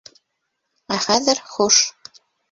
Ә хәҙер - хуш.